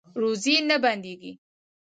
روزي نه بندیږي